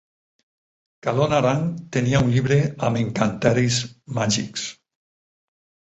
Calon Arang tenia un llibre amb encanteris màgics.